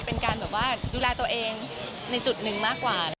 เป็นการแบบว่าดูแลตัวเองในจุดหนึ่งมากกว่า